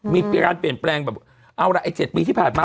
มีการเปลี่ยนแปลงแบบเอาล่ะไอ้๗ปีที่ผ่านมา